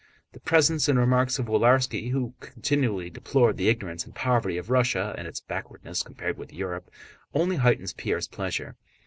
The presence and remarks of Willarski who continually deplored the ignorance and poverty of Russia and its backwardness compared with Europe only heightened Pierre's pleasure.